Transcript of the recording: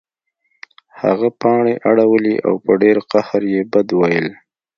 هغه پاڼې اړولې او په ډیر قهر یې بد ویل